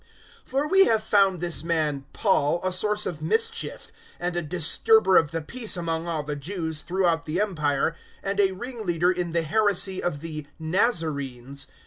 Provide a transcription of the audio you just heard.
024:005 For we have found this man Paul a source of mischief and a disturber of the peace among all the Jews throughout the Empire, and a ringleader in the heresy of the Nazarenes.